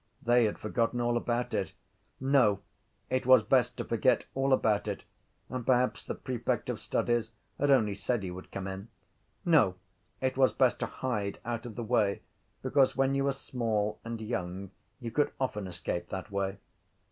They had forgotten all about it. No, it was best to forget all about it and perhaps the prefect of studies had only said he would come in. No, it was best to hide out of the way because when you were small and young you could often escape that way.